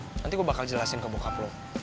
nanti gue bakal jelasin ke bokap lo